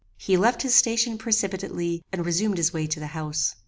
"He left his station precipitately and resumed his way to the house.